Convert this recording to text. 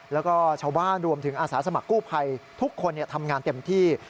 แล้วก็ชาวบ้านรวมถึงอาสาสมัครกู้ภัยทุกคนทำงานเต็มที่